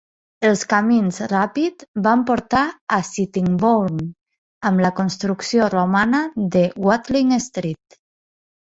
Els camins ràpid van portar a Sittingbourne, amb la construcció romana de Watling Street.